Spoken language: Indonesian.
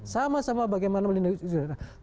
sama sama bagaimana melindungi